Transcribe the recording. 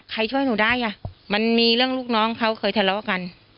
ใครช่วยหนูได้อ่ะมันมีเรื่องลูกน้องเขาเคยทะเลาะกัน